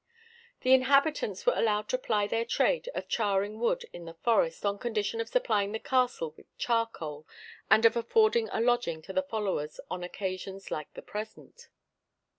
The inhabitants were allowed to ply their trade of charring wood in the forest on condition of supplying the castle with charcoal, and of affording a lodging to the followers on occasions like the present.